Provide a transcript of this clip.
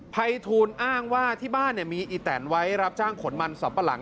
ภัยทูลอ้างว่าที่บ้านมีอีแตนไว้รับจ้างขนมันสัมปะหลัง